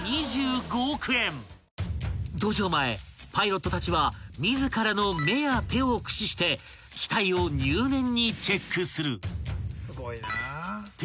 ［搭乗前パイロットたちは自らの目や手を駆使して機体を入念にチェックする］